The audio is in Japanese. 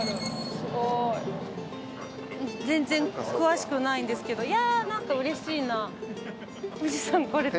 すごい。全然詳しくないんですけどなんかうれしいな富士山来れた。